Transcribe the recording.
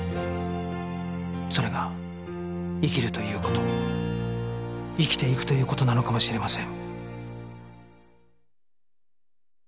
それが生きるという事生きていくという事なのかもしれません